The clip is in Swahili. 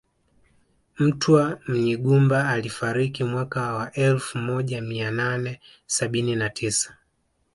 Mtwa Munyigumba alifariki mwaka wa elfu moja mia nane sabini na tisa